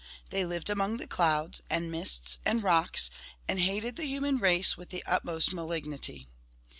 They lived among clouds, and mists, and rocks, and hated the human race with the utmost malignity.'